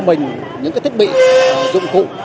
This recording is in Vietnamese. mình những thiết bị dụng cụ